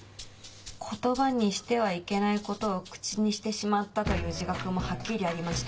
言葉にしてはいけないことを口にしてしまったという自覚もはっきりありまして。